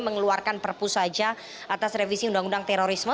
mengeluarkan perpu saja atas revisi undang undang terorisme